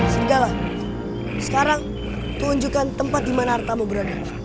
sudahlah sekarang tunjukkan tempat di mana hartamu berada